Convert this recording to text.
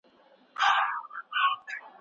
هغه اصول چي پوهنتون یې ټاکي، باید عملي سي.